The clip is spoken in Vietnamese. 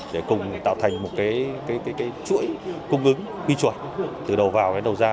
để cùng tạo thành một chuỗi cung ứng quy chuẩn từ đầu vào đến đầu ra